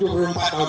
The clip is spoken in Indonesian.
jero mangku pusat